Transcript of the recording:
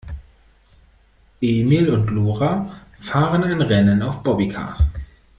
Emil und Lora fahren ein Rennen auf Bobbycars.